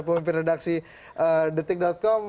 pemimpin redaksi detik com